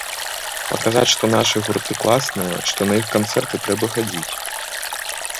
Паказаць, што нашы гурты класныя, што на іх канцэрты трэба хадзіць.